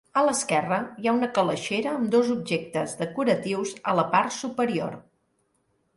A l'esquerra, hi ha una calaixera amb dos objectes decoratius a la part superior.